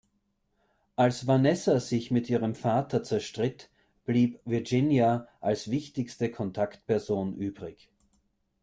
Als Vanessa sich mit ihrem Vater zerstritt, blieb Virginia als wichtigste Kontaktperson übrig.